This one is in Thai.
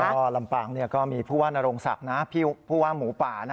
ก็ลำปางก็มีผู้ว่านโรงศักดิ์นะผู้ว่าหมูป่า